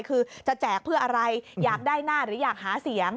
คือจะแจกเพื่ออะไรอยากได้หน้าหรืออยากหาเสียง